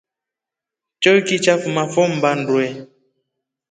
Choiki cha fuma fo mbaa ndwe.